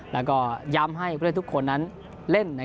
แล้วก็ย้ำให้ผู้เล่นทุกคนนั้นเล่น